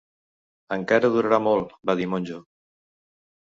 "Encara durarà molt", va dir al monjo.